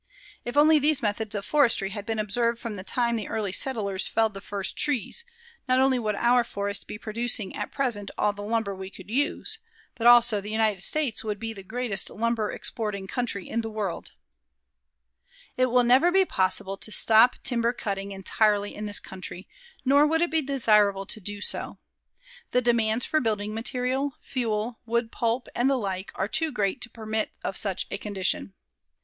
If only these methods of forestry had been observed from the time the early settlers felled the first trees, not only would our forests be producing at present all the lumber we could use, but also the United States would be the greatest lumber exporting country in the world. [Illustration: WHAT SOME KINDS OF TIMBER CUTTING DO TO A FOREST] It will never be possible to stop timber cutting entirely in this country, nor would it be desirable to do so. The demands for building material, fuel, wood pulp and the like are too great to permit of such a condition.